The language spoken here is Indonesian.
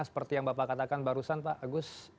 seperti yang bapak katakan barusan pak agus